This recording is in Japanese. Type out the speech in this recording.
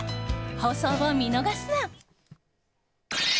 放送を見逃すな。